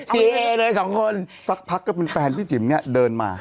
เอเลยสองคนสักพักก็เป็นแฟนพี่จิ๋มเนี่ยเดินมา